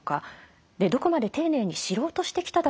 どこまで丁寧に知ろうとしてきただろうかと。